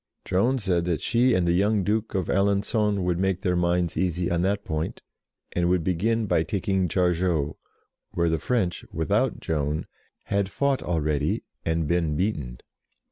Joan said that she and the young Duke of Alengon would make their minds easy on that point, and would begin by taking Jargeau, where the French, without Joan, had fought already and been beaten.